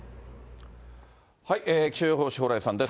気象予報士、蓬莱さんです。